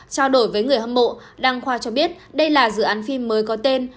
trao đổi với người hâm mộ đăng khoa cho biết đây là dự án phim mới có tên